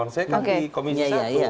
saya kan di komisi satu